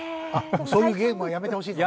そういうゲームはやめてほしいのね。